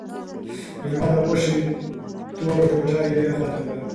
مېلمه د غوښې توره ټوټه یوې خواته کړه.